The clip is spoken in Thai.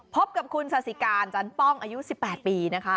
พบกับคุณซาสิการจันป้องอายุ๑๘ปีนะคะ